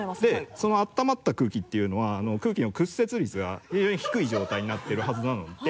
その温まった空気っていうのは空気の屈折率が非常に低い状態になっているはずなので。